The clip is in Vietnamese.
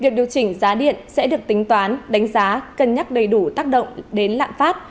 việc điều chỉnh giá điện sẽ được tính toán đánh giá cân nhắc đầy đủ tác động đến lạm phát